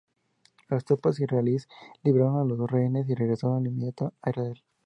Las tropas israelíes liberaron a los rehenes y regresaron de inmediato a Israel.